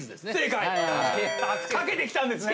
かけてきたんですね。